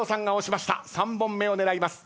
３本目を狙います。